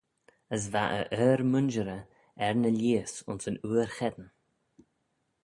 As va e er-mooinjerey er ny lheihys ayns yn oor cheddin.